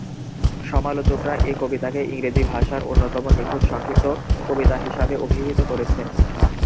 সমালোচকরা এ কবিতাকে ইংরেজি ভাষার অন্যতম নিখুঁত সংক্ষিপ্ত কবিতা হিসাবে অভিহিত করেছেন।